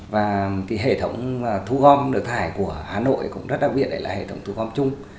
và hệ thống thu gom nước thải của hà nội cũng rất đặc biệt đấy là hệ thống thu gom chung